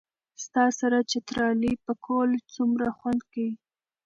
ستا سره چترالي پکول څومره خوند کئ